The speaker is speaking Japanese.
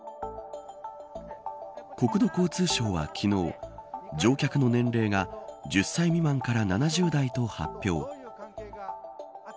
国土交通省は昨日乗客の年齢が１０歳未満から７０代と発表。